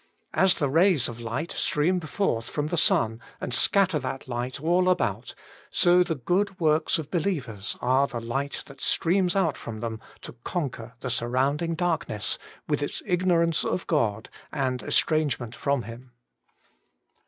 As the rays of light stream forth from the sun and scatter that light all about, so the good works of believers are the light that streams out from them to conquer the surrounding darkness, with its ignorance of God and estrangement from Him.